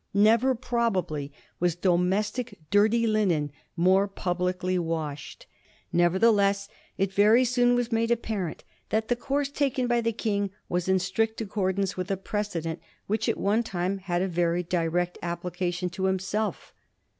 Never probably was domestic dirty linen more publicly washed. Nevertheless, it very soon was made apparent that the course taken by the King was in strict accordance with a precedent which at one time had a very direct application to himself.